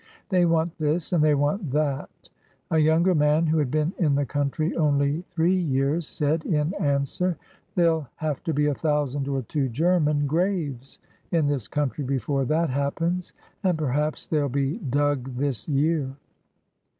They want this and they want that." A younger man, who had been in the country only three years, said, in answer: "There'll have to be a thousand or two German graves in this country before that happens, and perhaps they'll be dug this year."